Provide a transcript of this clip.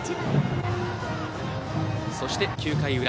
そして９回裏。